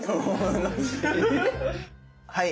はい。